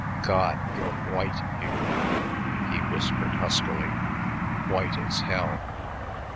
"God! you're white, Hugh," he whispered huskily, "white as hell.